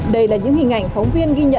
đây là những hình ảnh phóng báo của các nhà xe